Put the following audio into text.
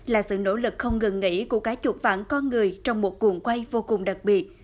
là sự nỗ lực không ngừng nghỉ của cái chuột vãn con người trong một cuồng quay vô cùng đặc biệt